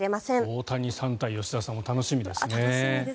大谷さん対吉田さんも楽しみですね。